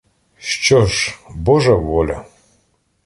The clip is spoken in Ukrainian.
Що ж, божа воля.